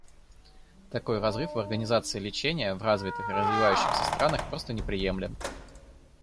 Такой разрыв в организации лечения в развитых и развивающихся странах просто неприемлем.